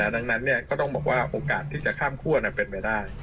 ดังนั้นก็ต้องบอกว่าโอกาสที่จะข้ามคั่วเป็นไปได้